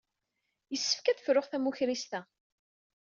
Yessefk ad fruɣ tamukrist-a.